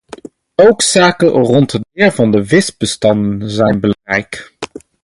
Ook zaken rond het beheer van de visbestanden zijn belangrijk.